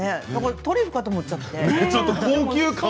トリュフかと思っちゃった。